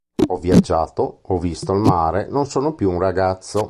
Ho viaggiato, ho visto il mare, non sono più un ragazzo.